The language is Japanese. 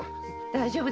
大丈夫。